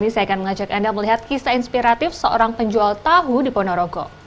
saya akan mengajak anda melihat kisah inspiratif seorang penjual tahu di ponorogo